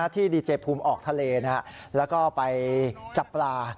ที่ดีเจภูมิออกทะเลแล้วก็ไปจับปลา